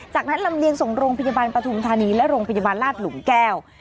จากนั้นลำเลียงส่งโรงพยาบาลปฐุมธานีและโรงพยาบาลราชหลุมแก้ว